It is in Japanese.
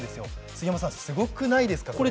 杉山さん、すごくないですか、これ。